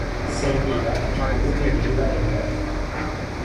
Serviva il comune di Riva del Garda.